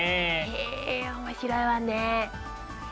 へえ面白いわね。